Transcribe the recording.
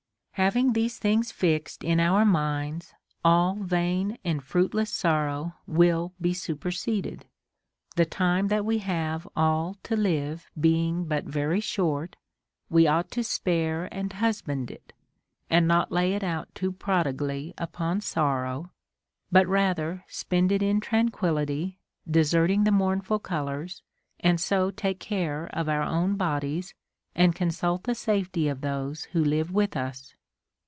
t S2. Having these things fixed in our minds, all vain and fruitless sorrow will be superseded ; the time that we have all to live being but very short, Λνβ ought to spare and * II. VI. 486. t II. XX. 128. 332 CONSOLATION TO APOLLONIUS. husband it, and not lay it out too prodigally upon sorrow, but rather spend it in tranquillity, deserting the mournful colors, and so take care of our own bodies, and consult the safety of those who live Λvith us.